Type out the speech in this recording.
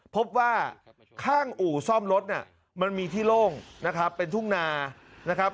พบว่าข้างอู่ซ่อมรถเนี่ยมันมีที่โล่งนะครับเป็นทุ่งนานะครับ